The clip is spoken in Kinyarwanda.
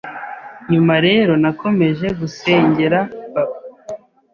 nyuma rero nakomeje gusengera papa